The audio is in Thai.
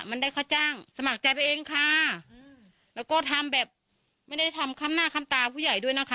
มันได้ค่าจ้างสมัครใจไปเองค่ะอืมแล้วก็ทำแบบไม่ได้ทำค่ำหน้าค่ำตาผู้ใหญ่ด้วยนะคะ